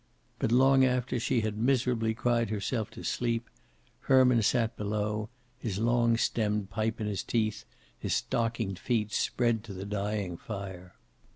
But long after she had miserably cried herself to sleep, Herman sat below, his long stemmed pipe in his teeth, his stockinged feet spread to the dying fire.